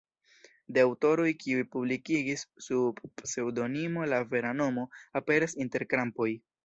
De aŭtoroj kiuj publikigis sub pseŭdonimo, la vera nomo aperas inter krampoj.